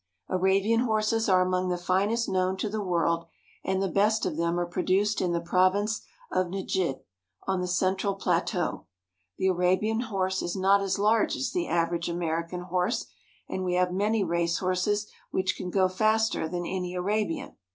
Arabian horses are among the finest known to the world, and the best of them are produced in the province of Nejd, on the central plateau. The Arabian horse is not as large as the average American horse, and we have many race horses which can go faster than any Arabian.